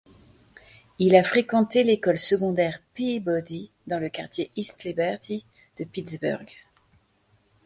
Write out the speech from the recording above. Il a fréquenté l'école secondaire Peabody dans le quartier East Liberty de Pittsburgh.